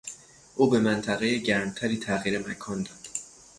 او به منطقهی گرمتری تغییر مکان داد.